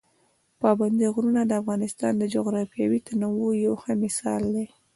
پابندي غرونه د افغانستان د جغرافیوي تنوع یو ښه مثال دی.